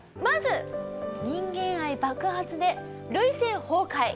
まず人間愛爆発で涙腺崩壊。